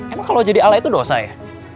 emang kalo jadi alay itu dosa ya